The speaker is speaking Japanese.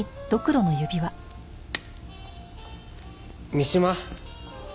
三島。